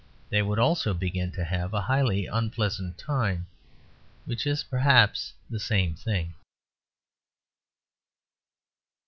They would also begin to have a highly unpleasant time, which is perhaps the same thing.